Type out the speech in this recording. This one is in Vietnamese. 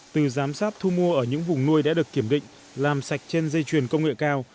từ giám sát thu mua ở những vùng nuôi đã được kiểm định làm sạch trên dây chuyền công nghệ cao